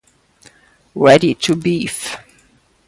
Ready to beef!